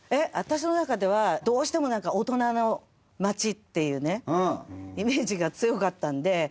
私の中ではどうしてもなんか大人の街っていうねイメージが強かったんで。